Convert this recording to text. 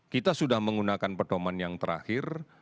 kita sudah menggunakan pedoman yang terakhir